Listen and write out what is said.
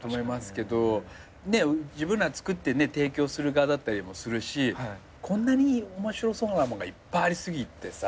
自分ら作って提供する側だったりもするしこんなに面白そうなもんがいっぱいありすぎてさ。